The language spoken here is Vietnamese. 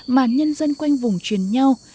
mà nhân dân quanh vùng truyền nhau